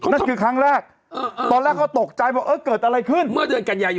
นั่นคือครั้งแรกตอนแรกเขาตกใจบอกเออเกิดอะไรขึ้นเมื่อเดือนกันยายน